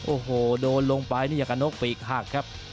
โอ้โหโดนลงไปนี่อย่างกับนกปีกหักครับ